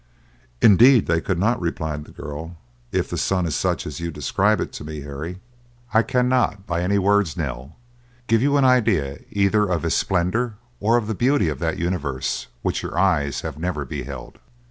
"Indeed they could not," replied the girl; "if the sun is such as you describe it to me, Harry." "I cannot by any words, Nell, give you an idea either of his splendor or of the beauty of that universe which your eyes have never beheld.